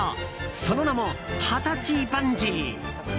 その名も二十歳バンジー。